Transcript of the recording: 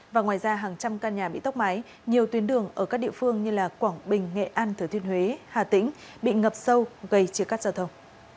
và ngoài ra hàng trăm căn nhà bị tốc mái nhiều tuyến đường ở các địa phương như quảng bình nghệ an thừa thuyên huế hà tĩnh bị ngập sâu gây chia cắt giao thông